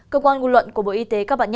cơ quan nguồn luận của bộ y tế các bạn nhé